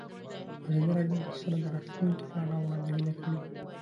ازادي راډیو د سوله د راتلونکې په اړه وړاندوینې کړې.